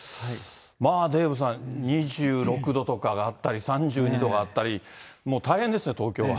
まあ、デーブさん、２６度とかがあったり、３２度があったり、もう大変ですね、東京は。